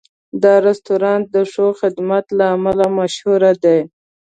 دا رستورانت د ښه خدمت له امله مشهور دی.